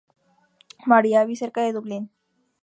Mary Abbey, cerca de Dublín.